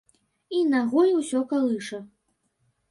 І нагой усё калыша.